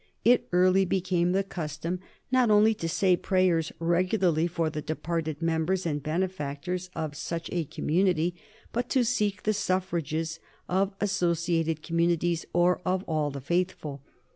It early became the custom, not only to say prayers regularly for the departed members and benefactors of such a community, but to seek the suffrages of associated com munities or of all the faithful.